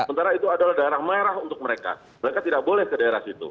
sementara itu adalah daerah merah untuk mereka mereka tidak boleh ke daerah situ